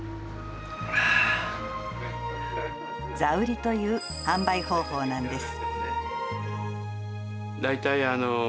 座売りという販売方法なんです。